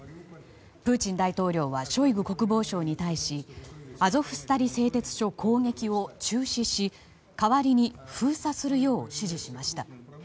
プーチン大統領はショイグ国防相に対しアゾフスタリ製鉄所攻撃を中止し代わりに封鎖するよう指示しました。